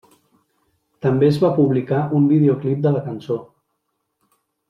També es va publicar un videoclip de la cançó.